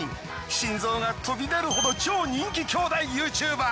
心臓が飛び出るほど超人気兄妹ＹｏｕＴｕｂｅｒ。